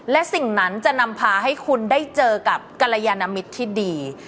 และสิ่งนั้นจะนำพาให้คุณได้เจอกับกรยานมิตรที่ดี